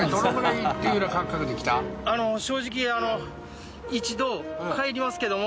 正直一度帰りますけども。